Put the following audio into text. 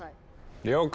了解！